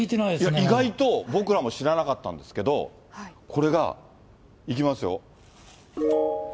意外と僕らも知らなかったんですけど、これが、いきますよ。